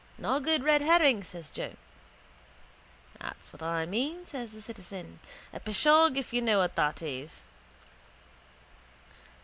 —Nor good red herring, says Joe. —That what's I mean, says the citizen. A pishogue, if you know what that is.